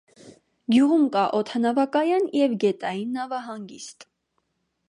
Գյուղում կա օդանավակայան և գետային նավահանգիստ։